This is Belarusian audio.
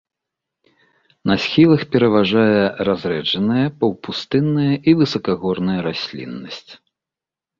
На схілах пераважае разрэджаная паўпустынная і высакагорная расліннасць.